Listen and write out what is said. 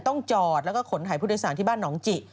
ต้องจอดแล้วก็ขนถ่ายผู้โดยสารที่บ้านหนองจิ